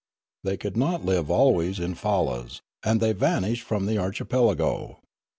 They could not live always in fallas ; and they vanished from the archipelago.